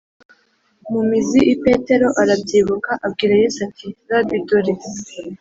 Mu mizi i petero arabyibuka abwira yesu ati rabi dore